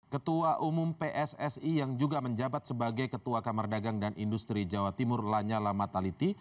ketua umum pssi yang juga menjabat sebagai ketua kamar dagang dan industri jawa timur lanyala mataliti